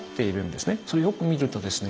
それをよく見るとですね